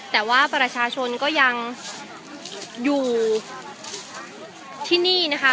แต่ว่าประชาชนก็ยังอยู่ที่นี่นะคะ